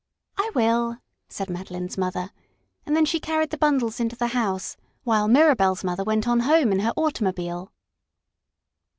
"I will," said Madeline's mother, and then she carried the bundles into the house, while Mirabell's mother went on home in her automobile.